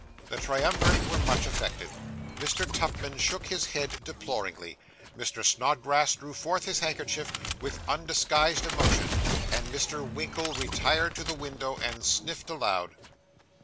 The triumvirate were much affected. Mr. Tupman shook his head deploringly, Mr. Snodgrass drew forth his handkerchief, with undisguised emotion; and Mr. Winkle retired to the window, and sniffed aloud.